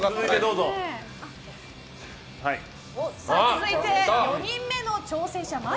続いて、４人目の挑戦者です。